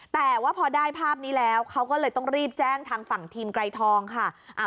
แต่ว่าพอได้ภาพนี้แล้วเขาก็เลยต้องรีบแจ้งทางฝั่งทีมไกรทองค่ะ